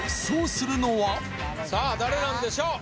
さあ誰なんでしょう？